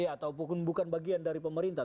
ataupun bukan bagian dari pemerintah